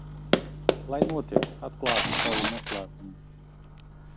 Lai notiek, atklāšu savu noslēpumu.